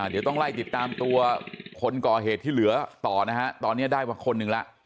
เดี๋ยวต้องไล่ติดตามตัวคนก่อเหตุที่เหลือต่อนะฮะตอนนี้ได้มาคนหนึ่งแล้ว